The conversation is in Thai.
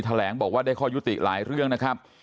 แหลงบอกว่าได้ข้อยุติหลายเรื่องนะครับ